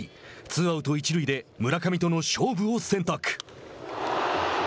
ツーアウト、一塁で村上との勝負を選択。